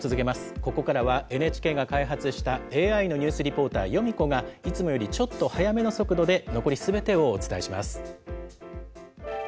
ここからはＮＨＫが開発したＡＩのニュースリポーター、ヨミ子が、いつもよりちょっと速めの速度で残りすべてをお伝えします。